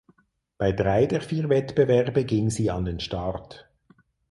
Bei drei der vier Wettbewerbe ging sie an den Start.